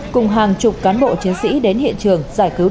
cùng hàng chục cán bộ chiến sĩ đến hiện trường